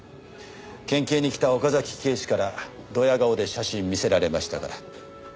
県警に来た岡崎警視からどや顔で写真見せられましたから。